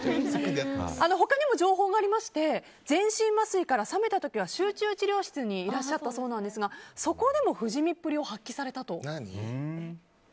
他にも情報がありまして全身麻酔から覚めた時は集中治療室にいらっしゃったそうですがそこでも不死身っぷりを発揮されたと。